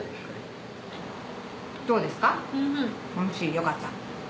よかった。